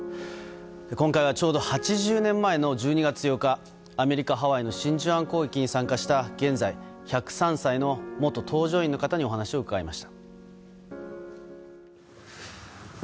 今回はちょうど８０年前の１２月８日アメリカ・ハワイの真珠湾攻撃に参加した現在１０３歳の元搭乗員の方にお話を伺いました。